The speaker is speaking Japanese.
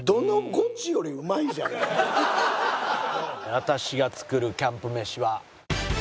私が作るキャンプ飯は。